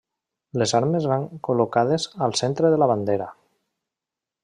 Les armes van col·locades al centre de la bandera.